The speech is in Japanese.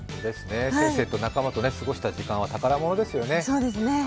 先生と仲間と過ごした時間は宝物ですよね。